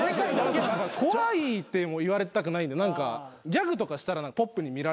怖いって言われたくないんでギャグとかしたらポップに見られる。